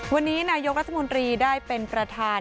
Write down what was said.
วันนี้นายกรัฐมนตรีได้เป็นประธาน